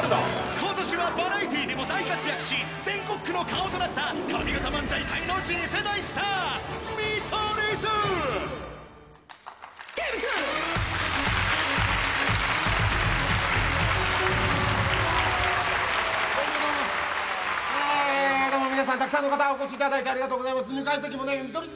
ことしはバラエティーでも大活躍し、全国区の顔となった、上方漫才界の次世代スター、見取り図。